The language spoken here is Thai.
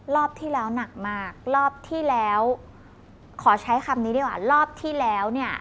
รอบที่แล้วหนักมากรอบที่แล้วขอใช้คำนี้ดีกว่ารอบที่แล้วเนี่ย